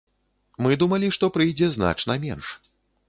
Мы думалі, што прыйдзе значна менш.